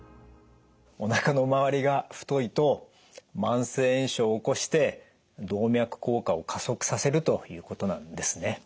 おなかの回りが太いと慢性炎症を起こして動脈硬化を加速させるということなんですね。